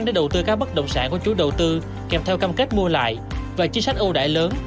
để đầu tư các bất động sản của chủ đầu tư kèm theo cam kết mua lại và chi sách ưu đãi lớn